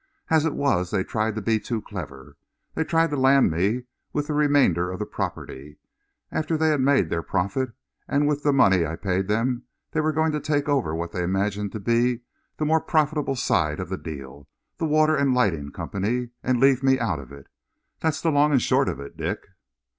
As it was, they tried to be too clever. They tried to land me with the remainder of the property, after they had made their profit, and with the money I paid them they were going to take over what they imagined to be the more profitable side of the deal, the Water and Lighting Company, and leave me out of it. That's the long and short of it, Dick."